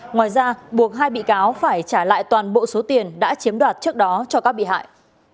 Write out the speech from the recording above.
ngoài ra buộc hai bị cáo phải trả lại toàn bộ số tiền đã chiếm đoạt trước đó cho các bị hại